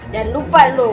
jangan lupa loh